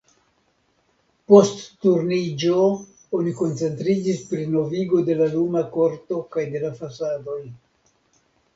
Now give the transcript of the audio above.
Post Turniĝo oni koncentriĝis pri novigo de la luma korto kaj de la fasadoj.